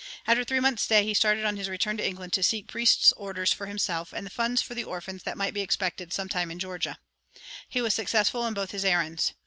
After three months' stay he started on his return to England to seek priest's orders for himself, and funds for the orphans that might be expected sometime in Georgia. He was successful in both his errands.